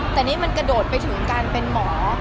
แต่นี่มันกระโดดไปถึงการเป็นหมอ